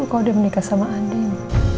kalau dia menikah sama andin